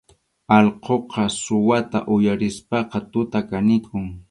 Allquqa suwata uyarispaqa tuta kanikun.